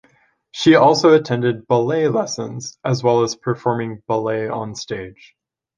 She also attended ballet lessons, as well as performing ballet on stage.